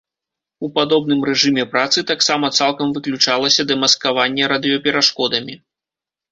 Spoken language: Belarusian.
У падобным рэжыме працы таксама цалкам выключалася дэмаскаванне радыёперашкодамі.